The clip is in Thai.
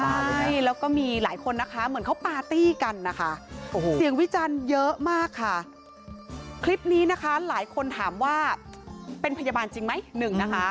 ใช่แล้วก็มีหลายคนนะคะเหมือนเขาปาร์ตี้กันนะคะโอ้โหเสียงวิจารณ์เยอะมากค่ะคลิปนี้นะคะหลายคนถามว่าเป็นพยาบาลจริงไหมหนึ่งนะคะ